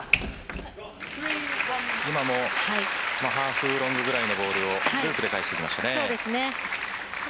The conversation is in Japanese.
今も、ハーフロングぐらいのボールをループで返してきました。